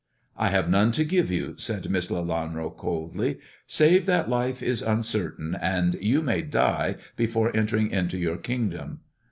"I have none to give you," said Miss Lelanro coldly, save that life is uncertain and you may die before entering into your kingdom."